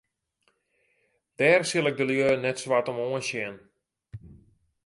Dêr sil ik de lju net swart om oansjen.